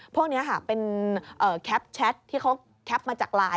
พวกนี้ค่ะเป็นแคปแชทที่เขาแคปมาจากไลน์